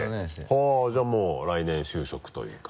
はぁじゃあもう来年就職というか。